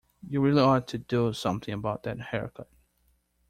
You really ought to do something about that haircut.